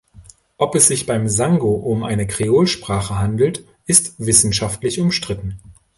Ob es sich beim Sango um eine Kreolsprache handelt, ist wissenschaftlich umstritten.